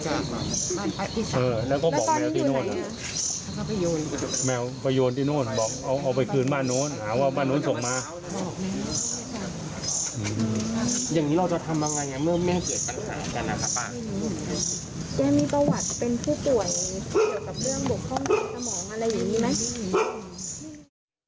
แจ้มีประวัติเป็นผู้ป่วยเกี่ยวกับเรื่องบกโครงคลมสมองไรอยู่นี่ไหม